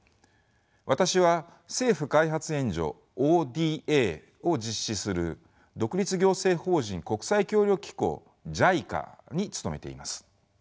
私は政府開発援助ＯＤＡを実施する独立行政法人国際協力機構ＪＩＣＡに勤めています。